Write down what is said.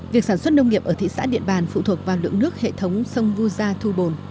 việc sản xuất nông nghiệp ở thị xã điện bàn phụ thuộc vào lượng nước hệ thống sông vu gia thu bồn